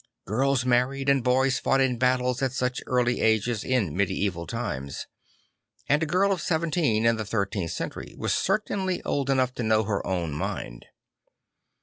Girls married and boys fought in battles at such early ages in medieval times; and a girl of seventeen in the thirteenth century was certainly old enough to know her o\vn mind.